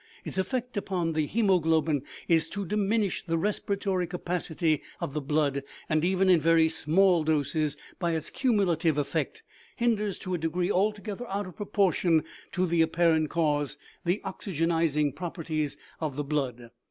Its effect upon the he moglobin is to diminish the respiratory capacity of the blood, and even in very small doses, by its cumulative effect, hinders, to a degree altogether out of proportion to the apparent cause, the oxygenizing properties of the blood.